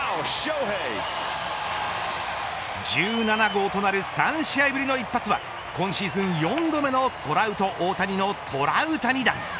１７号となる３試合ぶりの一発は今シーズン４度目のトラウト、大谷のトラウタニ弾。